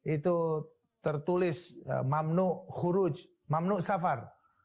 itu tertulis mamnu khuruj mamnu safar